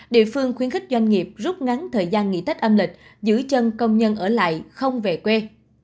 địa phương khuyến khích doanh nghiệp rút ngắn thời gian nghỉ tết âm lịch giữ chân công nhân ở lại không về quê